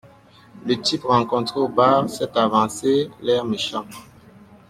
Le type rencontré au bar s’est avancé, l’air méchant.